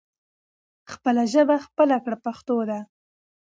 خپله ژبه خپله کړې پښتو ده.